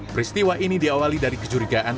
peristiwa ini diawali dari kecurigaan